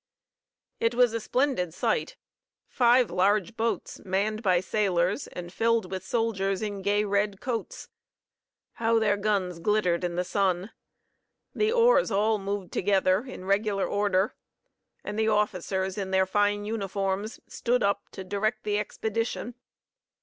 It was a splendid sight. Five large boats, manned by sailors, and filled with soldiers in gay red coats. How their guns glittered in the sun! The oars all moved together in regular order, and the officers in their fine uniforms stood up to direct the expedition.